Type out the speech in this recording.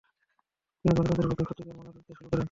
তিনি গণতন্ত্রের পক্ষে ক্ষতিকর মনে করতে শুরু করেন।